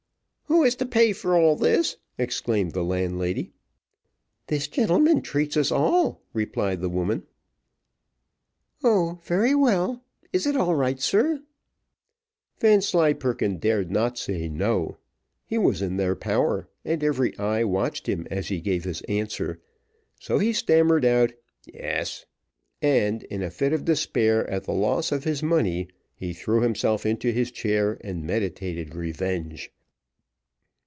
"Who is to pay for all this?" exclaimed the landlady. "This gentleman treats us all," replied the woman. "Oh! very well is it all right, sir?" Vanslyperken dared not say no: he was in their power, and every eye watched him as he gave his answer; so he stammered out "Yes," and, in a fit of despair at the loss of his money, he threw himself into his chair, and meditated revenge.